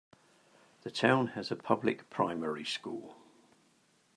The town has a public primary school.